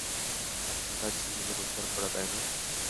আপনার কাজ জিম্মিদের উদ্ধার করা, তাই না?